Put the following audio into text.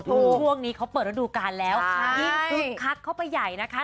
ช่วงนี้เขาเปิดรัฐดูการแล้วอินทุกคักเข้าไปใหญ่นะคะ